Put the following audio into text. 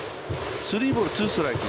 スリーボール、ツーストライク。